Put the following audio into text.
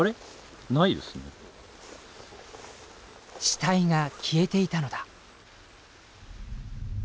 死体が消えていたのだ。